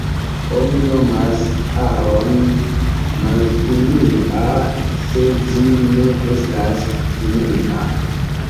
Oni nomas aron malfinia, se ĝi ne estas finia.